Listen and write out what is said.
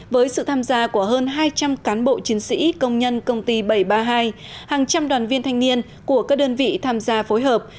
với sự tham gia của hơn hai trăm linh cán bộ chiến sĩ công nhân công ty bảy trăm ba mươi hai hàng trăm đoàn viên thanh niên của các đơn vị tham gia phối hợp